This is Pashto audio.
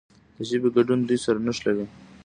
د ژبې ګډون دوی سره نښلوي.